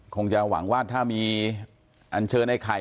คงจะหวังว่าถ้ามีอันเชิญไอ้ไข่